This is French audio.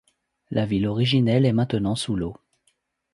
La ville originelle est maintenant sous l'eau.